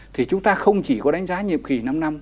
thì chúng ta không chỉ có đánh giá nhiệm kỳ năm năm